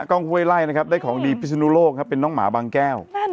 กล้องห้วยไล่นะครับได้ของดีพิศนุโลกครับเป็นน้องหมาบางแก้ว